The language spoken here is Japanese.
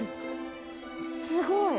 すごい。